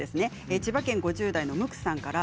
千葉県５０代の方です。